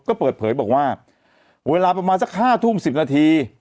ก็เปิดเผยบอกว่าเวลาประมาณสัก๕ทุ่ม๑๐นาที